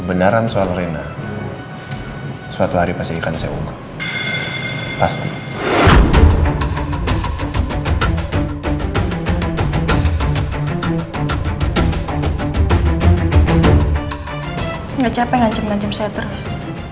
gak capek ngajem ngajem saya terus